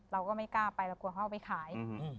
เราก็ไม่กล้าไปเรากลัวเขาเอาไปขาย